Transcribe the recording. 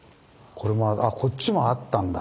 これもあこっちもあったんだ。